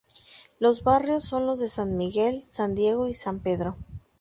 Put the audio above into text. Los barrios son los de San Miguel, San Diego, San Pedro.